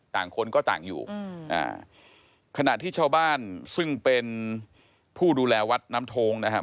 คนก็ต่างอยู่อืมอ่าขณะที่ชาวบ้านซึ่งเป็นผู้ดูแลวัดน้ำโทงนะครับ